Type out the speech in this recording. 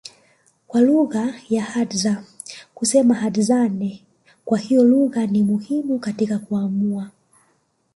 kwa lugha tu Hadza kusema Hadzane kwa hiyo lugha ni muhimu katika kuamua